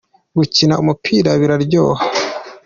gukina umupira biraryoha.